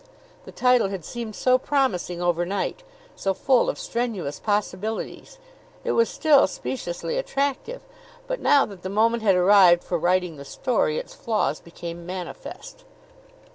The title had seemed so promising overnight so full of strenuous possibilities. It was still speciously attractive; but now that the moment had arrived for writing the story its flaws became manifest.